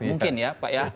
mungkin ya pak ya